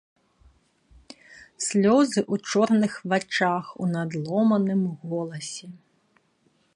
Слёзы ў чорных вачах, у надломаным голасе.